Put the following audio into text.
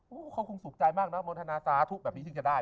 เฮ้ยเข้าคงสุขจายมากนะโมรทานาสาธุแบบนี้จึงจะได้